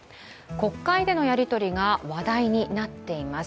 国会でのやり取りが話題になっています。